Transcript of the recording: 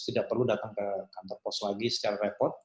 tidak perlu datang ke kantor pos lagi secara repot